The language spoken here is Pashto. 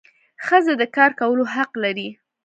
ښځي د کار کولو حق لري.